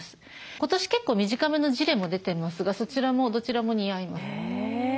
今年結構短めのジレも出てますがそちらもどちらも似合います。